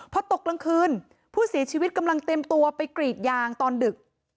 พอตกกลางคืนผู้เสียชีวิตกำลังเตรียมตัวไปกรีดยางตอนดึก